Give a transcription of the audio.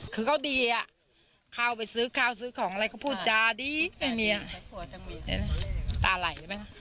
คือเขาดีอ่ะข้าวไปซื้อข้าวซื้อของอะไรก็พูดจาดีไม่มีอ่ะตาไหลใช่ไหมคะ